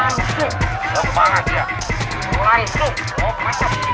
ternyata ripa memenangkan pertandingan kali ini